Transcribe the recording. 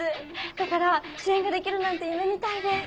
だから主演ができるなんて夢みたいで！